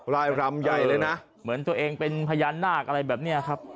ร่ายรำใหญ่เลยนะเหมือนตัวเองเป็นพญานาคอะไรแบบนี้ครับ